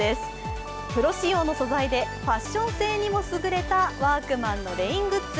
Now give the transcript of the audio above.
プロ仕様の素材でファッション性にも優れたレイングッズ。